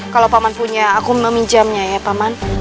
kalau paman punya aku meminjamnya ya paman